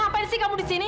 kenapa sih kamu disini